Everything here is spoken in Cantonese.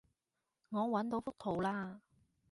我搵到幅圖喇